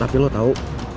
tapi lo tahu